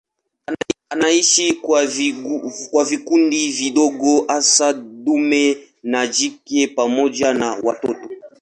Anaishi kwa vikundi vidogo hasa dume na jike pamoja na watoto.